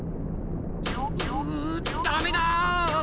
うダメだ！